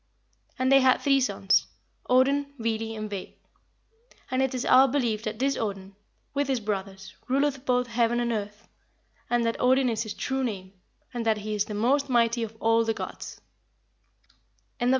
And they had three sons, Odin, Vili, and Ve; and it is our belief that this Odin, with his brothers, ruleth both heaven and earth, and that Odin is his true name, and that he is the most mighty of all the gods."